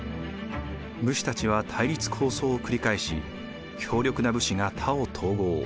武士たちは対立抗争を繰り返し強力な武士が他を統合。